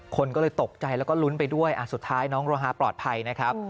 คนก็เลยตกใจแล้วก็ลุ้นไปด้วยสุดท้ายน้องโรฮาปลอดภัยนะครับ